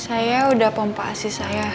saya udah pompa asi saya